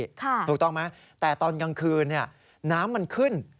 ถูกต้องไหมแต่ตอนกลางคืนน้ำมันขึ้น